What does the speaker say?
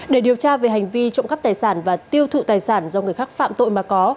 để điều tra về hành vi trộm cắp tài sản và tiêu thụ tài sản do người khác phạm tội mà có